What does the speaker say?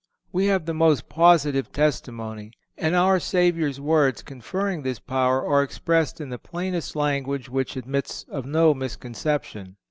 We have the most positive testimony, and our Savior's words conferring this power are expressed in the plainest language which admits of no misconception.